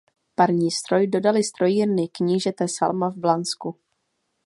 Parní stroj dodaly Strojírny knížete Salma v Blansku.